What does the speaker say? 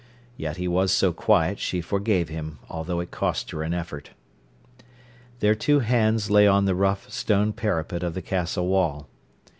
Yet he was so quiet, she forgave him, although it cost her an effort. Their two hands lay on the rough stone parapet of the Castle wall.